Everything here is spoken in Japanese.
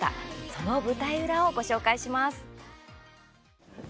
その舞台裏をご紹介します。